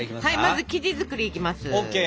まず生地作りいきます！ＯＫ。